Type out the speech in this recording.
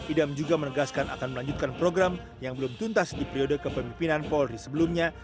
idam juga menegaskan akan melanjutkan program yang belum tuntas di periode kepemimpinan polri sebelumnya